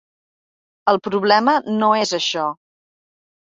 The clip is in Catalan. El problema no és això.